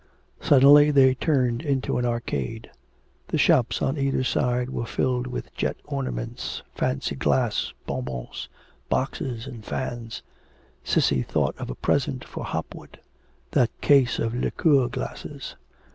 Suddenly they turned into an Arcade. The shops on either side were filled with jet ornaments, fancy glass, bon bons, boxes, and fans. Cissy thought of a present for Hopwood that case of liqueur glasses.